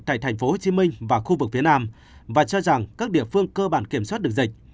tại tp hcm và khu vực phía nam và cho rằng các địa phương cơ bản kiểm soát được dịch